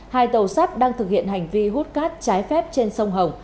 hai tàu sắt đang thực hiện hành vi hút cát trái phép trên sông hồng